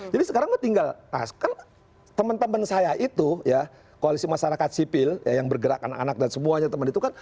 jadi sekarang tinggal teman teman saya itu koalisi masyarakat sipil yang bergerak anak anak dan semuanya teman itu kan